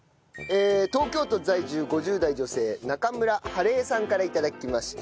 東京都在住５０代女性中村晴江さんから頂きました。